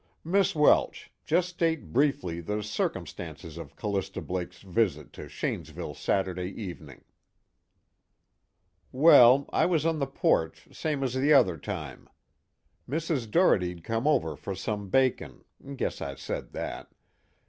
"Miss Welsh, just state briefly the circumstances of Callista Blake's visit to Shanesville Saturday evening." "Well, I was on the porch same as the other time. Mrs. Doherty'd come over for some bacon guess I said that.